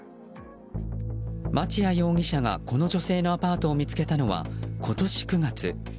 町屋容疑者がこの女性のアパートを見つけたのは今年９月。